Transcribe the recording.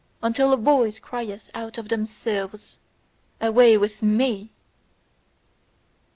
until a voice crieth out of themselves: "Away with ME!"